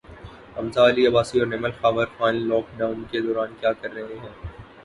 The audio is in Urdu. حمزہ علی عباسی اور نیمل خاور خان لاک ڈان کے دوران کیا کررہے ہیں